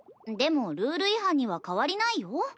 でもルール違反には変わりないよ。